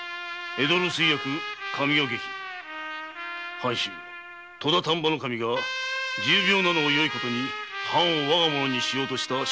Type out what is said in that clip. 藩主・戸田丹波守が重病なのをよいことに藩をわがものにしようとした痴れ者！